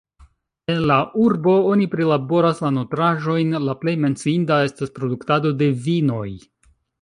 En la urbo oni prilaboras la nutraĵojn, la plej menciinda estas produktado de vinoj.